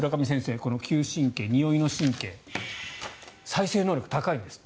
この嗅神経、においの神経再生能力が高いんですって。